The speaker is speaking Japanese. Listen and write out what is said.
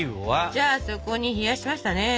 じゃあそこに冷やしましたね。